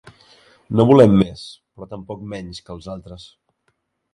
No volem més però tampoc menys que els altres.